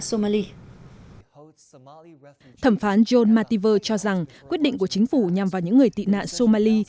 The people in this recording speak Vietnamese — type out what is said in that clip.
somali thẩm phán john mativer cho rằng quyết định của chính phủ nhằm vào những người tị nạn somali